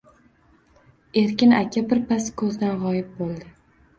Erkin aka bir pas ko’zdan g’oyib bo’ldi.